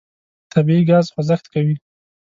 طبیعي ګاز خوځښت کوي.